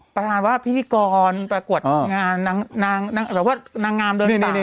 ประหลาดว่าพิธีกรปรากฎงานนางงามเดินต่าง